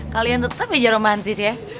kalian tetap aja romantis ya